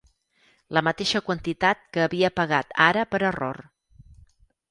La mateixa quantitat que havia pagat ara per error.